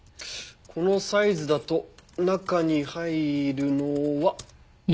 このサイズだと中に入るのは。